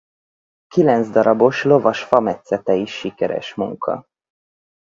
Kilenc darabos lovas fametszete is sikeres munka.